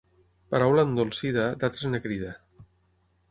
Paraula endolcida, d'altres en crida.